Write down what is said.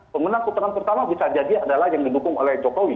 pemenang putaran pertama bisa jadi adalah yang didukung oleh jokowi